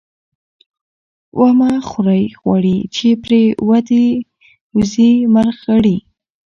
ـ ومه خورئ غوړي ،چې پرې ودې وځي مړغړي.